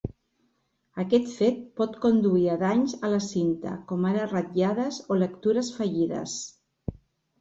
Aquest fet pot conduir a danys a la cinta, com ara ratllades o lectures fallides.